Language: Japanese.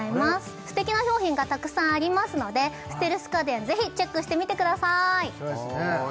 すてきな商品がたくさんありますのでステルス家電ぜひチェックしてみてください